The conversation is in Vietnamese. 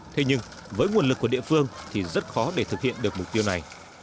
thế nhưng với nguồn lực của địa phương thì rất khó để thực hiện được mục tiêu này